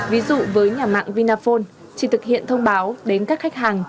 ví dụ với nhà mạng vinaphone chỉ thực hiện thông báo đến các khách hàng